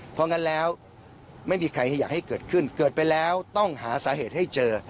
เพราะงั้นแล้วไม่มีใครอยากให้เกิดขึ้นเกิดไปแล้วต้องหาสาเหตุให้เจอ